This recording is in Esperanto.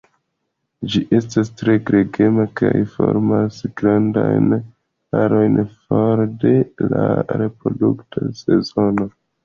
Ĝi estas tre gregema kaj formas grandajn arojn for de la reprodukta sezono.